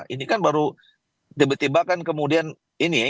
ini kan baru tiba tiba kan kemudian ini ya